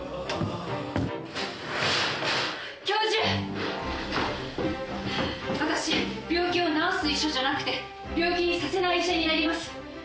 教授、私、病気を治す医者じゃなくて、病気にさせない医者になります。